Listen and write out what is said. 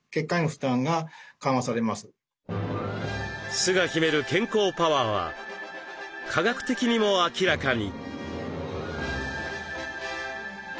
酢が秘める健康パワーは科学的にも明らかに。